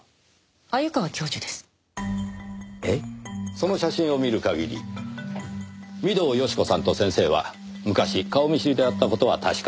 その写真を見る限り御堂好子さんと先生は昔顔見知りであった事は確かです。